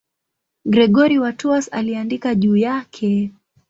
Gregori wa Tours aliandika juu yake.